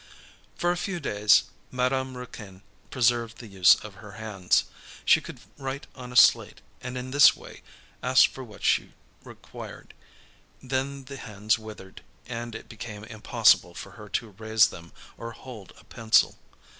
For a few days Madame Raquin preserved the use of her hands. She could write on a slate, and in this way asked for what she required; then the hands withered, and it became impossible for her to raise them or hold a pencil.